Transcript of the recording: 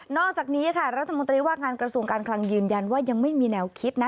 อกจากนี้ค่ะรัฐมนตรีว่าการกระทรวงการคลังยืนยันว่ายังไม่มีแนวคิดนะ